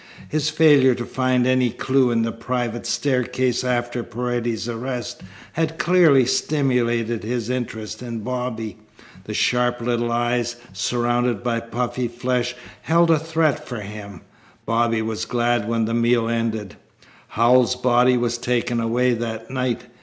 His failure to find any clue in the private staircase after Paredes's arrest had clearly stimulated his interest in Bobby. The sharp little eyes, surrounded by puffy flesh, held a threat for him. Bobby was glad when the meal ended. Howells's body was taken away that night.